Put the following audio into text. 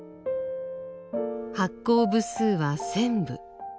発行部数は１，０００部。